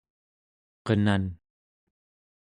qenan